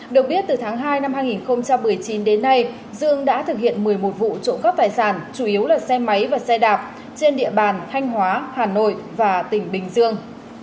được biết từ tháng hai năm hai nghìn một mươi chín đến nay dương đã thực hiện một mươi một vụ trộm cắp tài sản chủ yếu là xe máy và xe đạp trên địa bàn thanh hóa hà nội và tỉnh bình dương